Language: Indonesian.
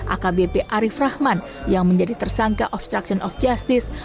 akbp arief rahman yang menjadi tersangka obstruction of justice